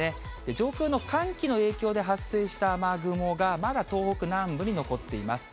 上空の寒気の影響で発生した雨雲がまだ東北南部に残っています。